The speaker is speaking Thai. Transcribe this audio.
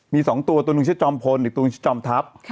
มีสองตัวตัวนึงชื่อจอมพลอีกตัวนึงชื่อจอมทัพ